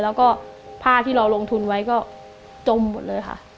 แล้วก็ผ้าที่เราลงทุนไว้ก็จมหมดเลยค่ะ